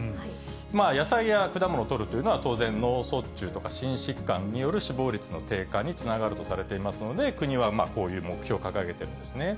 まあ、野菜や果物をとるというのは、当然、脳卒中とか心疾患による死亡率の低下につながるとされていますので、国はこういう目標を掲げてるんですね。